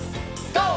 ＧＯ！